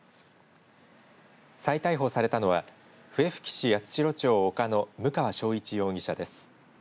再逮捕されたのは笛吹市八代町岡の武川正一容疑者です。